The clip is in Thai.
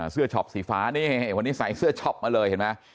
เสื้อชอบสีฟ้านี่วันนี้ใส่เสื้อชอบมาเลยเห็นมั้ย